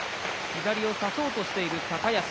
左を差そうとしている高安。